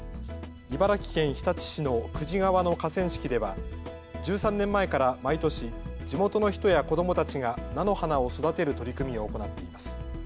茨城県日立市の久慈川の河川敷では１３年前から毎年、地元の人や子どもたちが菜の花を育てる取り組みを行っています。